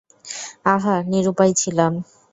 আহা, নিরুপায় ছিলাম।